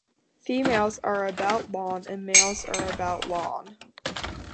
Females are about long and males are about long.